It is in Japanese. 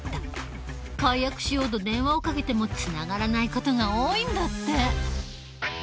解約しようと電話をかけてもつながらない事が多いんだって。